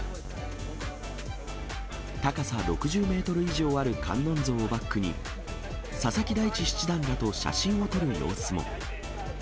高さ６０メートル以上ある観音像をバックに、佐々木大地七段らと写真を撮る様子も。